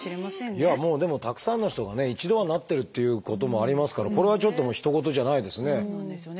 いやもうでもたくさんの人がね一度はなってるっていうこともありますからこれはちょっとひと事じゃないですね。